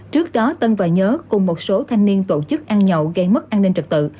trước đó tân và nhớ cùng một số thanh niên tổ chức ăn nhậu gây mất an ninh trật tự